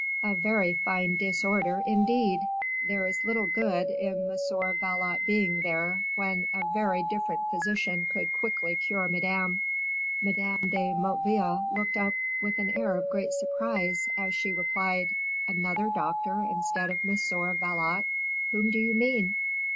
"A very fine disorder, indeed! There is little good in M. Valot being there, when a very different physician would quickly cure Madame." Madame de Motteville looked up with an air of great surprise, as she replied, "Another doctor instead of M. Valot? whom do you mean?"